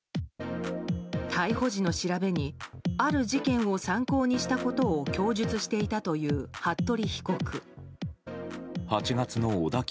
逮捕時の調べにある事件を参考にしたことを供述していたという服部被告。